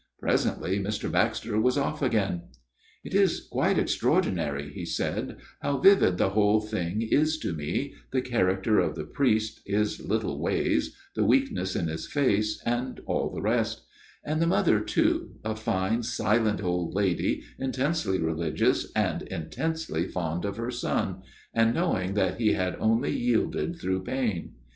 " Presently Mr. Baxter was off again. ' It is quite extraordinary,' he said, ' how vivid the whole thing is to me the character of the priest, his little ways, the weakness in his face, and all the rest ; and the mother too, a fine silent old lady, intensely religious and intensely fond of her son, and knowing that he had only yielded through pain.